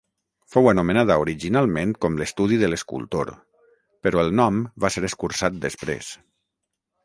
Fou anomenada originalment com l'estudi de l'escultor, però el nom va ser escurçat després.